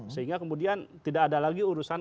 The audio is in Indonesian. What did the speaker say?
sehingga kemudian tidak ada lagi urusan